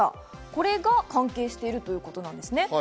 これが関係しているということです。